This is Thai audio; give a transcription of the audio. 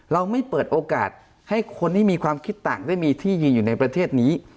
เราไม่เปิดโอกาสให้คนที่มีความคิดต่างได้มีที่ยืนอยู่ในประเทศนี้